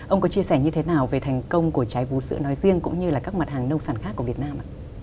ông có chia sẻ như thế nào về thành công của trái vũ sữa nói riêng cũng như là các mặt hàng nông sản khác của việt nam ạ